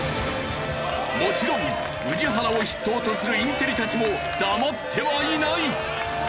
もちろん宇治原を筆頭とするインテリたちも黙ってはいない！